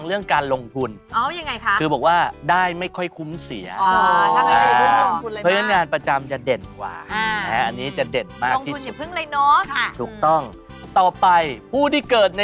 คือใครที่คิดไม่ดีคิดไร้ต่างจะกลับใจมารักใครช้อดีนะ